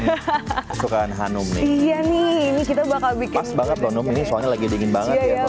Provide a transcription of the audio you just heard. hahaha sukaan hanum iya nih kita bakal bikin banget belum nih soalnya lagi dingin banget